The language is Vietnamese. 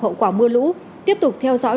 hậu quả mưa lũ tiếp tục theo dõi